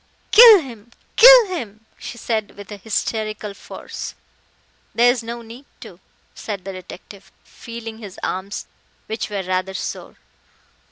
"Kill him kill him!" she said with hysterical force. "There is no need to," said the detective, feeling his arms, which were rather sore.